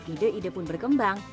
ide ide pun berkembang